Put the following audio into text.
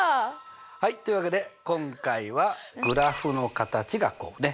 はいというわけで今回はグラフの形がこうポイントなんですね。